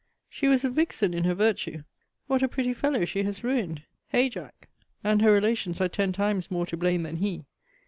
She was a vixen in her virtue. What a pretty fellow she has ruined Hey, Jack! and her relations are ten times more to blame than he.